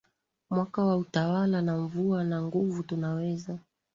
mwaka na utawala wa mvua na nguvu Tunaweza